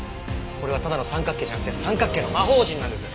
これはただの三角形じゃなくて三角形の魔方陣なんです。